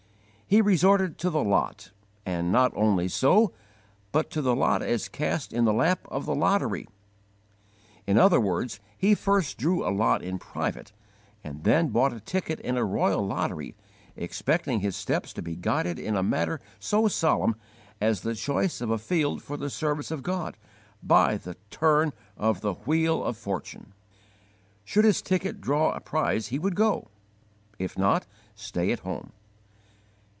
He resorted to the lot, and not only so, but to the lot as cast in the lap of the lottery! In other words, he first drew a lot in private, and then bought a ticket in a royal lottery, expecting his steps to be guided in a matter so solemn as the choice of a field for the service of God, by the turn of the 'wheel of fortune'! Should his ticket draw a prize he would go; if not, stay at home.